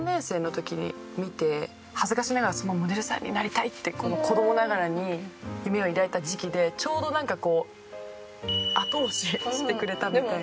恥ずかしながらモデルさんになりたいって子供ながらに夢を抱いた時期でちょうど後押ししてくれたみたいな。